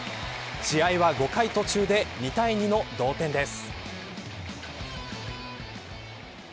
試合は５回途中で２対２の同点です。